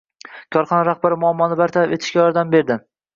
Korxona rahbari muammoni bartaraf etishga vaʼda berdi.